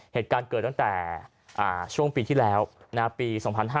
เหตุการณ์เกิดตั้งแต่ช่วงปีที่แล้วปี๒๕๕๙